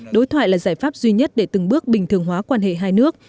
đối thoại là giải pháp duy nhất để từng bước bình thường hóa quan hệ hai nước